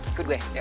ikut gue yuk